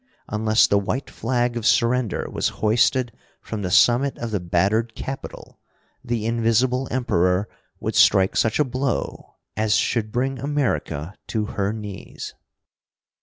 Unless the white flag of surrender was hoisted from the summit of the battered Capitol, the Invisible Emperor would strike such a blow as should bring America to her knees!